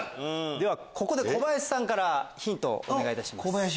ここで小林さんからヒントをお願いいたします。